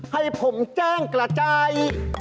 ให้ผมแจ้งกระจาย